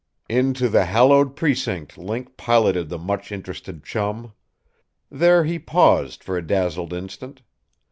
Into the hallowed precinct Link piloted the much interested Chum. There he paused for a dazzled instant.